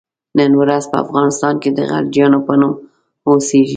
نن ورځ په افغانستان کې د غلجیانو په نوم اوسیږي.